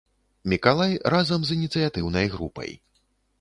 Мікалай разам з ініцыятыўнай групай.